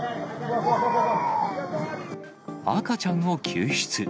赤ちゃんを救出。